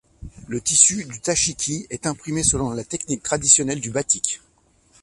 Le tissu du dashiki est imprimé selon la technique traditionnelle du batik.